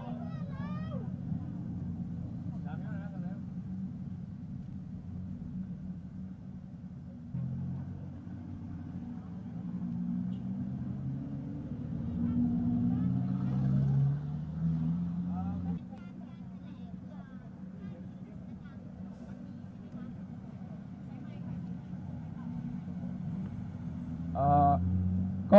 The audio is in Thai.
ก็วันนี้ที่เราแถลงนะครับเราตั้งใจจะเชิญชัวร์ร่านส่วนข้างบนที่นี่นะครับ